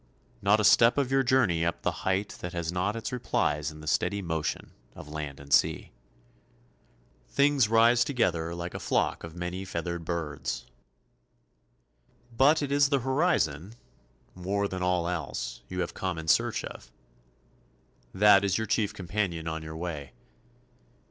Not a step of your journey up the height that has not its replies in the steady motion of land and sea. Things rise together like a flock of many feathered birds. But it is the horizon, more than all else, you have come in search of. That is your chief companion on your way.